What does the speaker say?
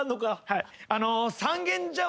はい。